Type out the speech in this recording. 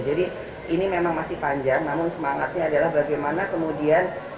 jadi ini memang masih panjang namun semangatnya adalah bagaimana kemudian